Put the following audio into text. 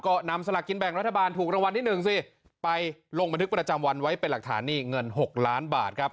ก็นำสลากกินแบ่งรัฐบาลถูกรางวัลที่หนึ่งสิไปลงบันทึกประจำวันไว้เป็นหลักฐานนี่เงิน๖ล้านบาทครับ